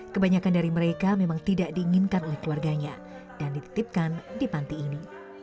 kebanyakan dari mereka memang tidak diinginkan oleh keluarganya dan dititipkan di panti ini